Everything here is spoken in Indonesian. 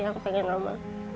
yang untuk mem dragon